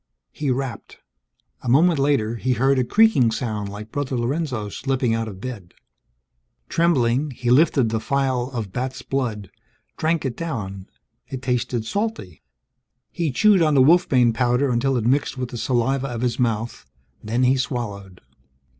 He rapped. A moment later, he heard a creaking sound like Brother Lorenzo slipping out of bed. Trembling, he lifted the phial of bat's blood, drank it down. It tasted salty. He chewed on the wolfbane powder until it mixed with the saliva of his mouth, then he swallowed.